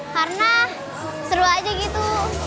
karena seru aja gitu